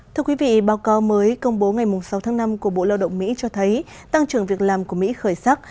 thưa quý vị báo cáo mới công bố ngày sáu tháng năm của bộ lao động mỹ cho thấy tăng trưởng việc làm của mỹ khởi sắc